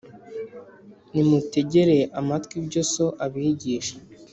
Nimutegere amatwi ibyo so abigisha .